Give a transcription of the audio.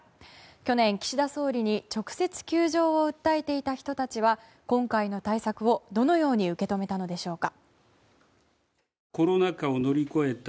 去年、岸田総理に直接、窮状を訴えていた人たちは今回の対策をどのように受け止めたのでしょうか。